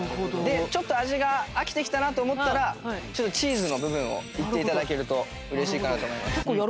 ちょっと味が飽きてきたなと思ったらチーズの部分をいって頂けると嬉しいかなと思います。